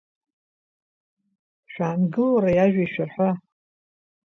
Шәаангыл уара, иажәа ишәырҳәа.